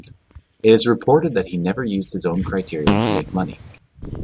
It is reported that he never used his own criterion to make money.